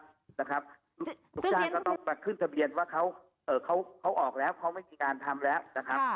ลูกจ้างก็ต้องมาขึ้นทะเบียนว่าเขาออกแล้วเขาไม่มีการทำแล้วนะครับ